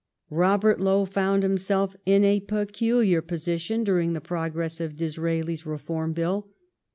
Robert Lowe found himself in a peculiar posi tion during the progress of Disraeli's Reform Bill.